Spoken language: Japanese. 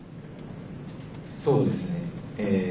そうですね。